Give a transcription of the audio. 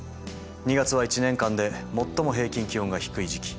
２月は１年間で最も平均気温が低い時期。